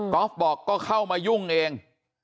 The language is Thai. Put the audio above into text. อล์ฟบอกก็เข้ามายุ่งเอง